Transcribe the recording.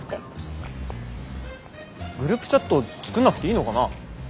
グループチャット作んなくていいのかな？